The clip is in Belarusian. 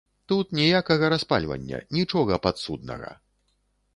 Тут ніякага распальвання, нічога падсуднага.